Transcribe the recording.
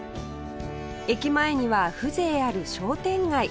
駅前には風情ある商店街